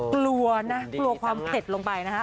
กลัวนะกลัวความเผ็ดลงไปนะฮะ